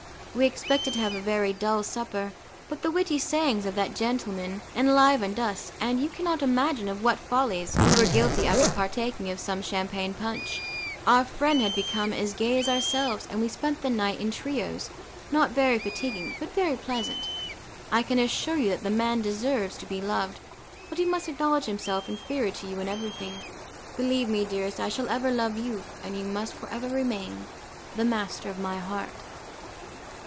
We expected to have a very dull supper, but the witty sayings of that gentleman enlivened us and you cannot imagine of what follies we were guilty after partaking of some champagne punch. Our friend had become as gay as ourselves, and we spent the night in trios, not very fatiguing, but very pleasant. I can assure you that that man deserves to be loved, but he must acknowledge himself inferior to you in everything. Believe me, dearest, I shall ever love you, and you must for ever remain the master of my heart."